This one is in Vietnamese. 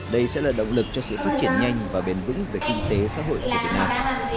đây sẽ là động lực cho sự phát triển nhanh và bền vững về kinh tế xã hội của việt nam